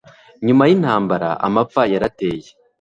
nyuma y'intambara, amapfa yarateye